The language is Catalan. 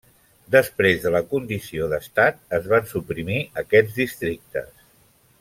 Després de la condició d'Estat, es van suprimir aquests districtes.